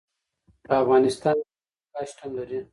په افغانستان کې پکتیکا شتون لري.